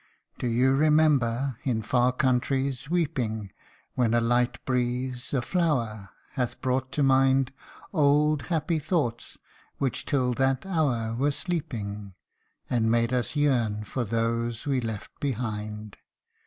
Do you remember in far countries, weeping, When a light breeze, a flower, hath brought to mind Old happy thoughts, which till that hour were sleeping, And made us yearn for those we left behind